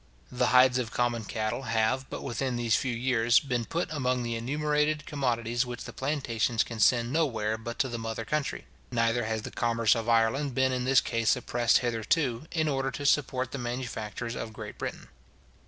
The hides of common cattle have, but within these few years, been put among the enumerated commodities which the plantations can send nowhere but to the mother country; neither has the commerce of Ireland been in this case oppressed hitherto, in order to support the manufactures of Great Britain.